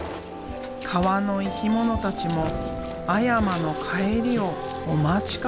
川の生き物たちも阿山の帰りをお待ちかね。